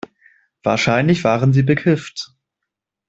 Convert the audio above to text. Wahrscheinlich waren sie bekifft.